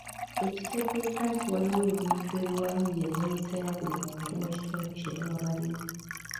Ekitegeeza nti waliwo ebintu ebiwanirira enneeyisa ya buli bantu mu kitundu kye baba balimu.